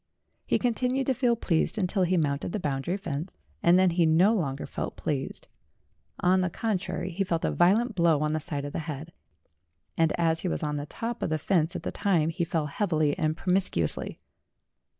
He continued to feel pleased until he mounted the boun dary fence, and then he no longer felt pleased ; on the A DEVIL, A BOY, A DESIGNER 161 contrary, he felt a violent blow on the side of the head, and as he was on the top of the fence at the time he fell heavily and promiscuously.